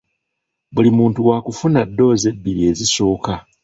Buli muntu wa kufuna ddoozi ebbiri ezisooka.